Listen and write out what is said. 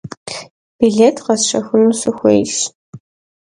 Bilêt khesşexunu sxuêyş.